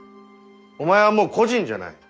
お前はもう個人じゃない。